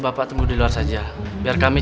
udah atau udahan durunya eako eiro